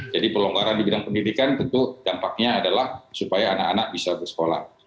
jadi pelonggaran di bidang pendidikan tentu dampaknya adalah supaya anak anak bisa bersekolah